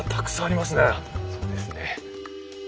あっそうですね。